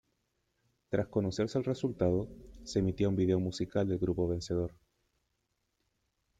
Tras conocerse el resultado, se emitía un vídeo musical del grupo vencedor.